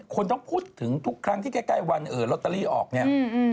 คนต้องพูดถึงทุกครั้งที่ใกล้วันลอตเตอรี่ออกเนี่ย